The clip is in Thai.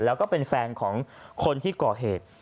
แล้วก็เป็นแฟนของคนที่ก่อเหตุ